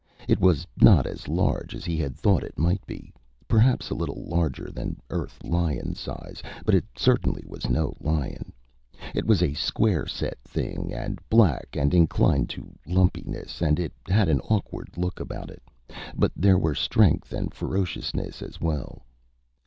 It was not as large as he had thought it might be perhaps a little larger than Earth lion size, but it certainly was no lion. It was a square set thing and black and inclined to lumpiness and it had an awkward look about it, but there were strength and ferociousness as well.